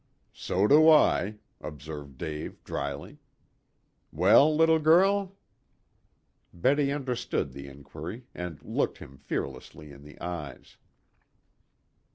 "So do I," observed Dave dryly. "Well, little girl?" Betty understood the inquiry, and looked him fearlessly in the eyes.